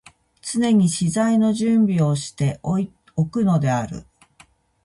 常に詩材の準備をして置くのである。